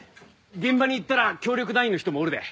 現場に行ったら協力団員の人もおるで。